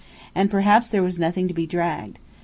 And perhaps there was nothing to be dragged.